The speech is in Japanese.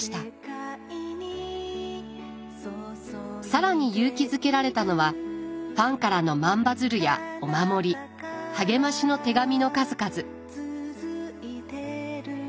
更に勇気づけられたのはファンからの万羽鶴やお守り励ましの手紙の数々。